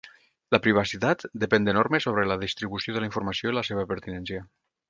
La privacitat depèn de normes sobre la distribució de la informació i la seva pertinència.